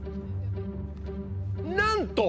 なんと！